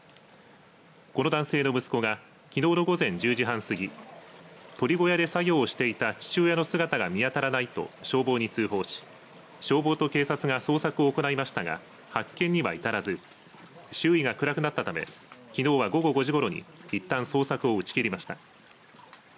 この男性の息子がきのうの午前１０時半過ぎ鳥小屋で作業をしていた父親の姿が見当たらないと消防に通報し消防と警察が捜索を行いましたが発見には至らず周囲が暗くなったためきのうは午後５時ごろにいったん捜索を打ち切りました。